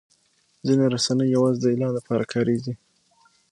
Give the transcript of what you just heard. ځینې رسنۍ یوازې د اعلان لپاره کارېږي.